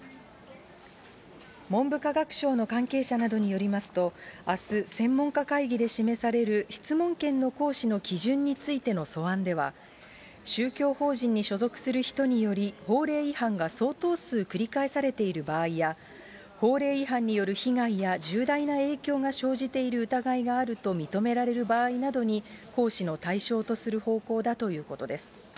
文部科学省の関係者などによりますと、あす専門家会議で示される質問権の行使の基準についての素案では、宗教法人に所属する人により法令違反が相当数繰り返されている場合や、法令違反による被害や重大な影響が生じている疑いがあると認められる場合などに、行使の対象とする方向だということです。